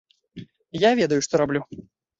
Я ведаю, што раблю.